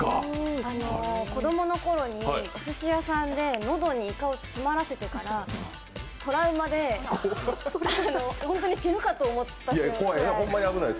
子供のころにおすし屋さんで喉にいかを詰まらせてからトラウマで、ホントに死ぬかと思ったぐらい。